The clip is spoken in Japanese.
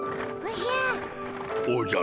おじゃ。